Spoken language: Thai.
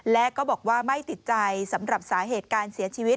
และก็บอกว่าไม่ติดใจสำหรับสาเหตุการเสียชีวิต